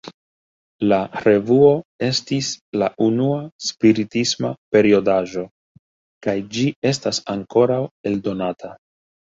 La revuo estis la unua spiritisma periodaĵo, kaj ĝi estas ankoraŭ eldonata.